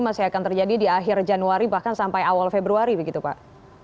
masih akan terjadi di akhir januari bahkan sampai awal februari begitu pak